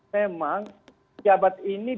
memang jabat ini